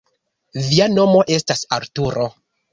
Via nomo estas Arturo?